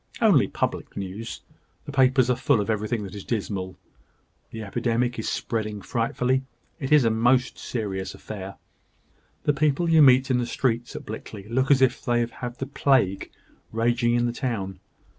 "Only public news. The papers are full of everything that is dismal. The epidemic is spreading frightfully. It is a most serious affair. The people you meet in the streets at Blickley look as if they had the plague raging in the town.